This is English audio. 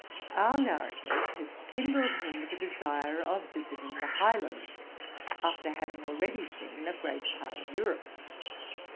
Our narrative has kindled him with a desire of visiting the Highlands, after having already seen a great part of Europe.